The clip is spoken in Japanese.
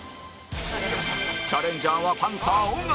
チャレンジャーはパンサー尾形